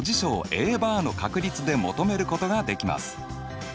Ａバーの確率で求めることができます。